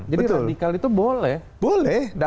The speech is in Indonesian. jadi radikal itu boleh